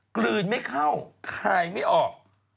กลืนไม่เข้าคายไม่ออก